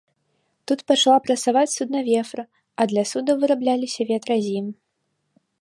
Тут пачала працаваць суднаверф, а для суднаў вырабляліся ветразі.